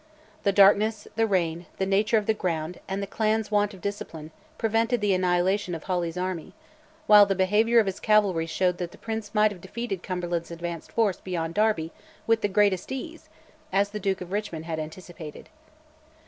The darkness, the rain, the nature of the ground, and the clans' want of discipline, prevented the annihilation of Hawley's army; while the behaviour of his cavalry showed that the Prince might have defeated Cumberland's advanced force beyond Derby with the greatest ease, as the Duke of Richmond had anticipated.